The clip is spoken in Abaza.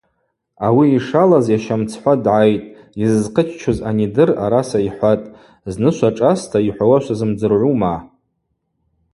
Ауи йшалаз йаща мцхӏва дгӏайтӏ, йыззхъыччуз анидыр араса йхӏватӏ: Зны швашӏаста йхӏвауа швазымдзыргӏвума.